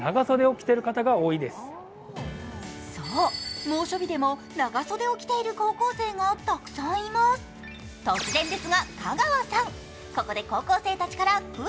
そう、猛暑日でも長袖を着ている高校生がたくさんいます。